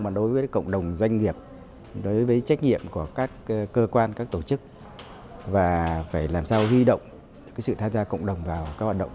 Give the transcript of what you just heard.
mà đối với cộng đồng doanh nghiệp đối với trách nhiệm của các cơ quan các tổ chức và phải làm sao huy động sự tham gia cộng đồng vào các hoạt động